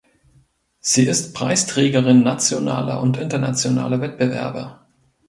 Sie ist Preisträgerin nationaler und internationaler Wettbewerbe.